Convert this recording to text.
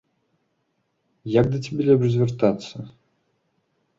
Як да цябе лепш звяртацца?